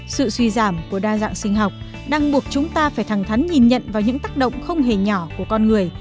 sự suy giảm của đa dạng sinh học đang buộc chúng ta phải thẳng thắn nhìn nhận vào những tác động không hề nhỏ của con người